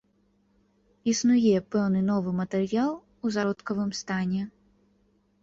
Існуе пэўны новы матэрыял у зародкавым стане.